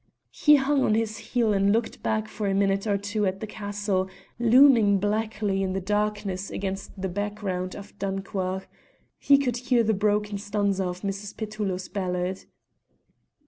He hung on his heel and looked back for a minute or two at the castle, looming blackly in the darkness against the background of Dunchuach; he could hear the broken stanza of Mrs. Petullo's ballad.